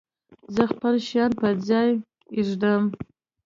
زه خپل شیان په ځای ږدم.